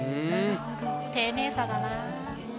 丁寧さだな。